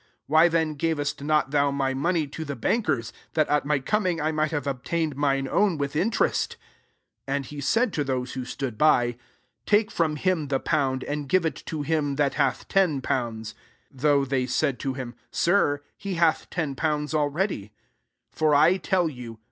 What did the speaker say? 23 Why then gavest not thou my money to [the"] bank ers ; that at my coming 1 might have obtained mine own with in terest V 24 And he said to those who stood by, < Take from him the pound, and give it to him that hath ten pounds :' 25 (Though they said to him * Sir, he hath ten pounds already:') 26 For I tell you.